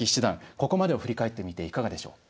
ここまでを振り返ってみていかがでしょう。